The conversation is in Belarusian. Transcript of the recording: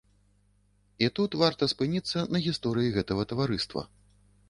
І тут варта спыніцца на гісторыі гэтага таварыства.